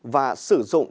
và sử dụng